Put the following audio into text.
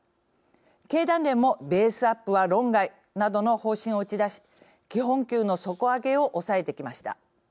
経団連もベースアップは論外などの方針を打ち出し基本給の底上げを抑えてきました。